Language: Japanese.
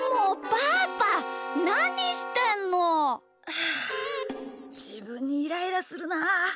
ああじぶんにイライラするなあ！